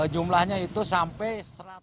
jumlahnya itu sampai seratus